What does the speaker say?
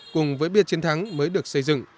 cùng với bia chiến thắng mới được xây dựng